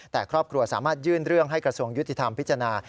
แต่ครอบครัวสามารถยื่นเรื่องให้กระทรวงยุติธรรมพิจารณา